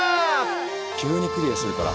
急にクリアするから。